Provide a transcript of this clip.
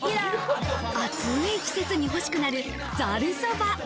暑い季節に欲しくなる、ざるそば。